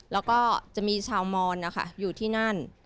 แล้วก็จะมีชาวมอนนะคะอยู่ที่นั่น